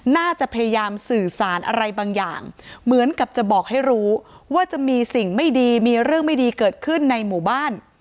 น่าจะพยายามสื่อสารอะไรบางอย่างเหมือนกับจะบอกให้รู้ว่าจะมีสิ่งไม่ดีมีเรื่องไม่ดีเกิดขึ้นในหมู่บ้าน